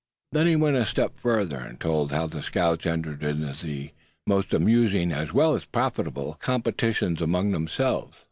Then he went a step further, and told how the scouts entered into the most amusing, as well as profitable, competitions among themselves.